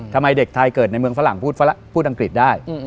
ทำไมเด็กไทยเกิดในเมืองฝรั่งพูดอังกฤษได้